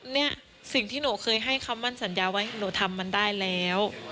เนี่ยสิ่งที่หนูเคยให้คำมั่นสัญญาไว้หนูทำมันได้แล้ว